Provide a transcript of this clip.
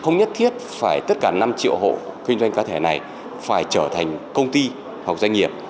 không nhất thiết phải tất cả năm triệu hộ kinh doanh cá thể này phải trở thành công ty hoặc doanh nghiệp